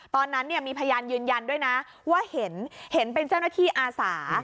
ตอนนั้นเนี่ยมีพยานยืนยันด้วยนะว่าเห็นเป็นเจ้าหน้าที่อาสา